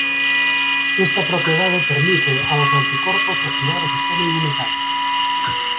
Esta propiedade permite aos anticorpos activar o sistema inmunitario.